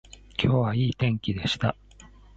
今日はいい天気でした